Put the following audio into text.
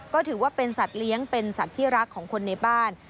ก็ถือว่าเป็นสัตว์เลี้ยงเป็นสัตว์ที่รักของคนในบ้าน